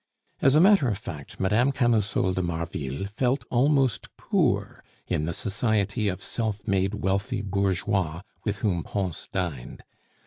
As a matter of fact, Mme. Camusot de Marville felt almost poor in the society of self made wealthy bourgeois with whom Pons dined.